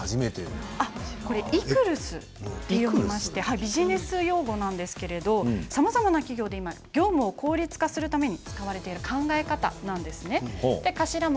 ビジネス用語なんですけれどもさまざまな企業で今、業務を効率化するために使われている考え方なんです。